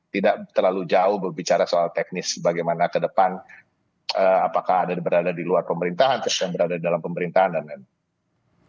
tidak terlalu jauh berbicara soal teknis bagaimana ke depan apakah ada berada di luar pemerintahan terus yang berada dalam pemerintahan dan lain lain